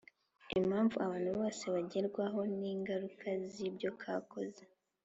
Impamvu abantu bose bagerwaho n ,ingaruka zibyo kakoze